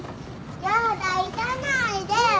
やだ行かないで。